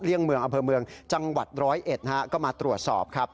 เลี่ยงเมืองอเภอเมืองจังหวัดร้อยเอ็ดก็มาตรวจสอบ